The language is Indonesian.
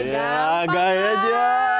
ya gaya dia